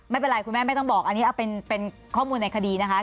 ไม่เป็นไรคุณแม่ไม่ต้องบอกอันนี้เป็นข้อมูลในคดีนะคะ